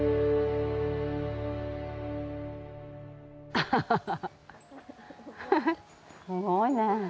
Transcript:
アハハハッすごいね。